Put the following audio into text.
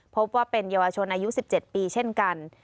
พบว่าเป็นเยาวชนอายุ๑๗ปีเช่นกัน